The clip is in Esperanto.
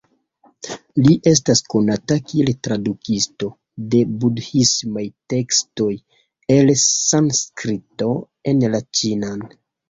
Li estas konata kiel tradukisto de budhismaj tekstoj el Sanskrito en la ĉinan.